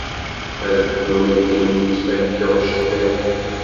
Ad kfun akken yettfaka uceṭṭiḍ.